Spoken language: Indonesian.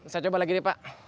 saya coba lagi nih pak